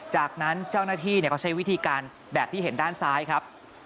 จากนั้นเจ้าหน้าที่เขาใช้วิธีการแบบที่เห็นด้านซ้ายครับ